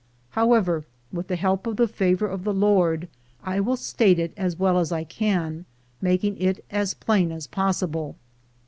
However, with the help of the favor of the Lord, I will state it as well as I can, making it as plain as pos sible.